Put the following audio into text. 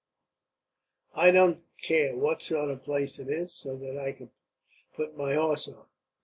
"I don't care what sort of a place it is, so that I could put my horse up.